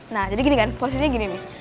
nah jadi gini kan posisinya gini nih